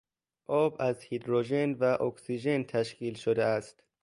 آب از هیدروژن و اکسیژن تشکیل شده است.